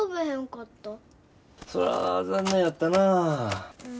そら残念やったなぁ。